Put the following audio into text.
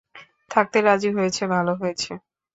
থাকতে রাজি হয়েছে ভালো হয়েছে।